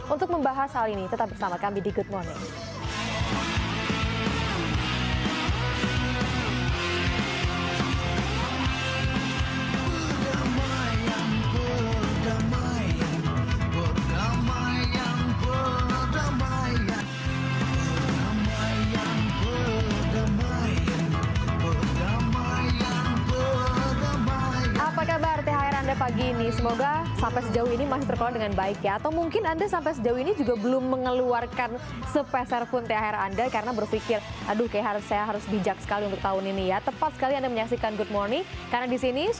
untuk membahas hal ini tetap bersama kami di good morning